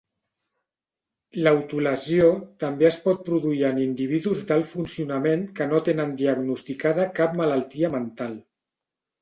L'autolesió també es pot produir en individus d'alt funcionament que no tenen diagnosticada cap malaltia mental.